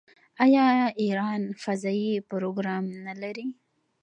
آیا ایران فضايي پروګرام نلري؟